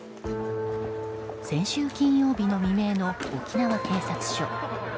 先週金曜日の未明の沖縄警察署。